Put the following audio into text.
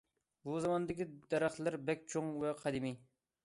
بۇ مازاردىكى دەرەخلەر بەك چوڭ ۋە قەدىمىي.